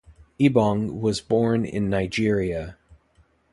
Ebong was born in Nigeria.